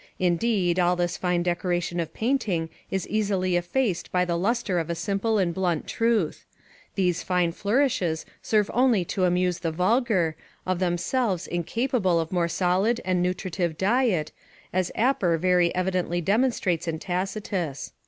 Indeed all this fine decoration of painting is easily effaced by the lustre of a simple and blunt truth; these fine flourishes serve only to amuse the vulgar, of themselves incapable of more solid and nutritive diet, as Aper very evidently demonstrates in Tacitus.